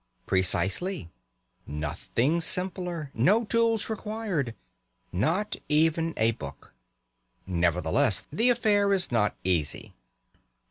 Precisely. Nothing simpler! No tools required! Not even a book. Nevertheless, the affair is not easy.